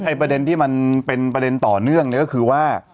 ประเด็นที่มันเป็นประเด็นต่อเนื่องเนี่ยก็คือว่า